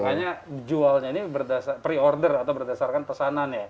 makanya jualnya ini berdasarkan pre order atau berdasarkan pesanan ya